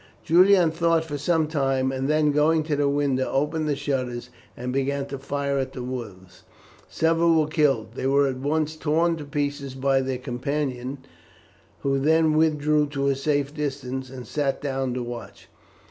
Julian thought for some time, and, then going to the window, opened the shutters and began to fire at the wolves. Several were killed. They were at once torn to pieces by their companions, who then withdrew to a safe distance, and sat down to watch.